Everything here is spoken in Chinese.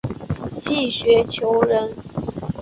齐学裘人。